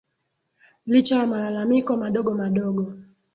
licha ya malalamiko madogo madogo